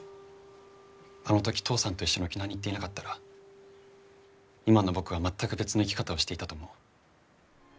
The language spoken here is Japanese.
あの時父さんと一緒に沖縄に行っていなかったら今の僕は全く別の生き方をしていたと思う。